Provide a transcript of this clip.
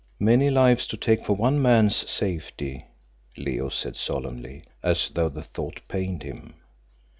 "Many lives to take for one man's safety," Leo said solemnly, as though the thought pained him.